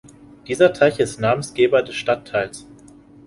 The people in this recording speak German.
Dieser Teich ist Namensgeber des Stadtteils.